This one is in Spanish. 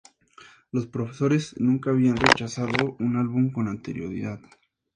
Los profesores nunca habían rechazado un álbum con anterioridad.